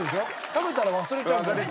食べたら忘れちゃうんだよ。